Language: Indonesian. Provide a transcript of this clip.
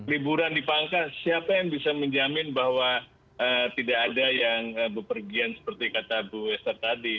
liburan dipangkas siapa yang bisa menjamin bahwa tidak ada yang bepergian seperti kata bu wester tadi